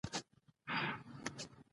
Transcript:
عقل مه غواړه بخت اوغواړه رحمانه.